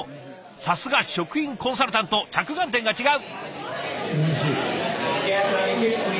さすが食品コンサルタント着眼点が違う！